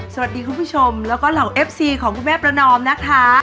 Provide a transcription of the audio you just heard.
คุณผู้ชมแล้วก็เหล่าเอฟซีของคุณแม่ประนอมนะคะ